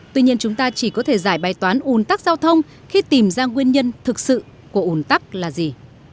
tuy nhiên chúng ta chỉ có thể giải bài toán ùn tắc giao thông khi tìm ra nguyên nhân thực sự của ủn tắc là gì